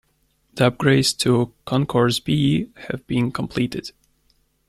The upgrades to Concourse B have been completed.